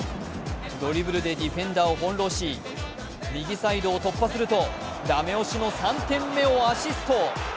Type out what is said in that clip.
ドリブルでディフェンダーを翻弄し右サイドを突破するとダメ押しの３点目をアシスト。